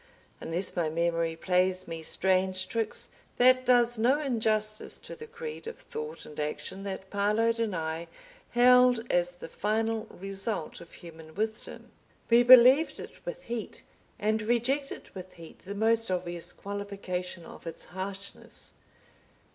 Unless my memory plays me strange tricks that does no injustice to the creed of thought and action that Parload and I held as the final result of human wisdom. We believed it with heat, and rejected with heat the most obvious qualification of its harshness.